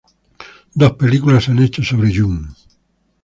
Dos películas se han hecho sobre Yun.